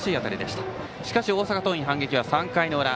しかし大阪桐蔭、反撃は３回の裏。